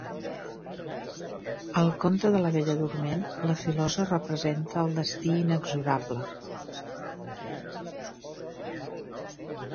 Al conte de la Bella Dorment la filosa representa el destí inexorable.